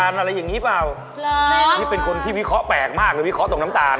นี่เป็นคนที่วิเคราะห์แปลกมากวิเคราะห์ตรงน้ำตาล